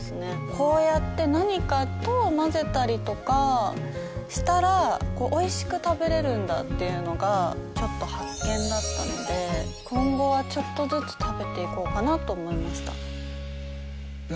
こうやって何かと混ぜたりとかしたらおいしく食べれるんだっていうのがちょっと発見だったので今後はちょっとずつ食べていこうかなと思いました。